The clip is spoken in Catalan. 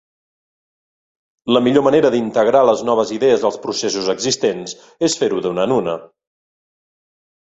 La millor manera d'integrar les noves idees als processos existents és fer-ho d'una en una.